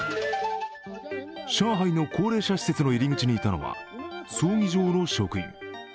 上海の高齢者施設の入り口にいたのは葬儀場の職員。